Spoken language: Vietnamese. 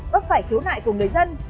bất phải khiếu nại của người dân